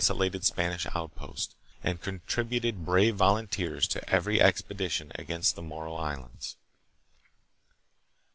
267 lated Spanish outpost, and contributed brave volunteers to every expedition against the Moro islands.